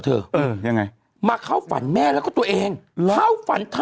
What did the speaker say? สนุกเขาเจอกันแล้ว